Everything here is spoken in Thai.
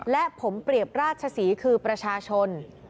และผมเปรียบราชศรีคือประชาชน